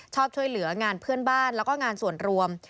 ชอบช่วยเหลือการ์ดเพื่อนบ้านและการ์ดส่วนรวม